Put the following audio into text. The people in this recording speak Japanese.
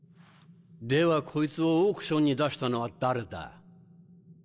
ではこいつをオークションに出したのは誰だ？